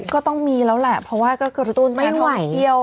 ก็ต้องมีแล้วละเพราะว่ากระดูกมาท็อมเที่ยว